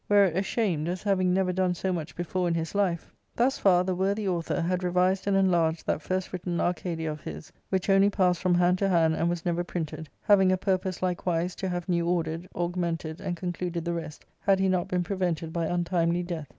Whereat ashamed, as having never done so much before in his life ^ Thus far the worthy author had revised and enlarged that first written Arcadia of his^ which only parsed from hand to hand and was never printed ; having a purpose likewise to have new ordered^ augmented^ and concluded the rest^ had he not been prevented by untimely death.